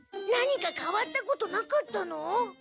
何かかわったことなかったの？